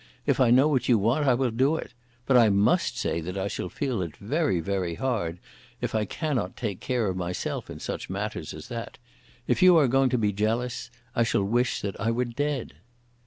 If I know what you want, I will do it. But I must say that I shall feel it very, very hard if I cannot take care of myself in such matters as that. If you are going to be jealous, I shall wish that I were dead."